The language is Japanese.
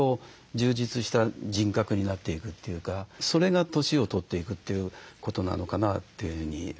充実した人格になっていくというかそれが年を取っていくということなのかなというふうに思いましたね。